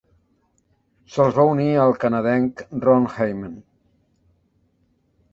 Se'ls va unir el canadenc Ron Hayman.